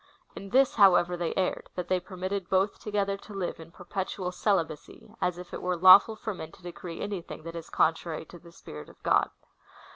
In this, however, they erred — that they per mitted both together to live in perpetual celibacy, as if it were lawful for men to decree anything that is contrary to the Spirit of God.